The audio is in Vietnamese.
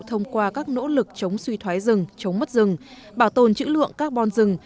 thông qua các nỗ lực chống suy thoái rừng chống mất rừng bảo tồn chữ lượng carbon rừng